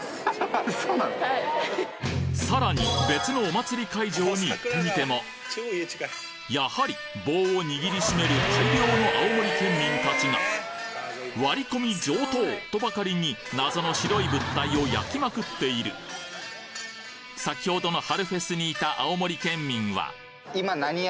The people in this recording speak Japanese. さらに別のお祭り会場に行ってみてもやはり棒を握りしめる大量の青森県民たちが割り込み上等！とばかりに謎の白い物体を焼きまくっている先ほどの今。